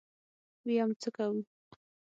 ويم څه کوو.